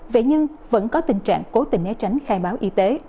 vậy nhưng vẫn có tình trạng cố tình né tránh khai báo y tế